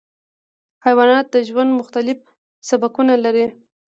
حیوانات د ژوند مختلف سبکونه لري.